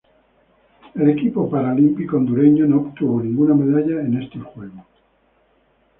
El equipo paralímpico hondureño no obtuvo ninguna medalla en estos Juegos.